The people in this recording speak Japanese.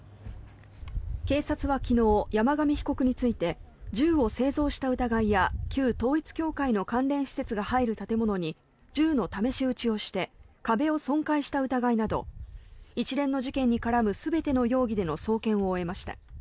警察は昨日、山上被告について銃を製造した疑いや旧統一教会の関連施設が入る建物に銃の試し撃ちをして壁を損壊した疑いなど一連の事件に絡む全ての容疑での送検を終えました。